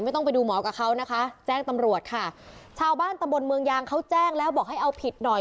ต้องไปดูหมอกับเขานะคะแจ้งตำรวจค่ะชาวบ้านตำบลเมืองยางเขาแจ้งแล้วบอกให้เอาผิดหน่อย